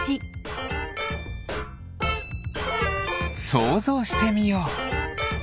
そうぞうしてみよう。